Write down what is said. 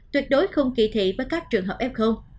tuyệt đối không kỳ thị với các trường hợp f